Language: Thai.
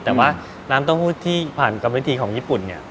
แต่ว่าน้ำเต้าหู้ที่ผ่านกรรมวิธีของญี่ปุ่นเนี่ย